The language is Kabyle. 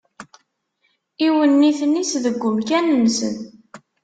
Iwenniten-is deg wemkan-nsen.